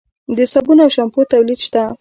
د صابون او شامپو تولید شته؟